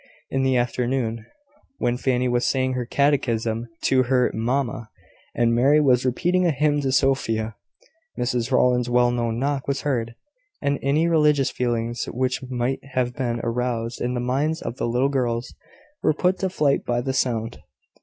In the afternoon, when Fanny was saying her catechism to her mamma, and Mary was repeating a hymn to Sophia, Mrs Rowland's well known knock was heard, and any religious feelings which might have been aroused in the minds of the little girls were put to flight by the sound.